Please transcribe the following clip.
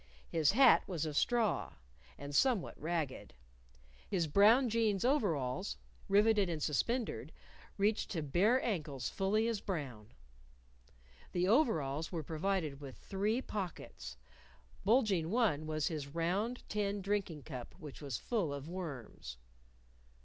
His hat was of straw, and somewhat ragged. His brown jeans overalls, riveted and suspendered, reached to bare ankles fully as brown. The overalls were provided with three pockets. Bulging one was his round tin drinking cup which was full of worms.